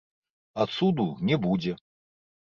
А цуду не будзе.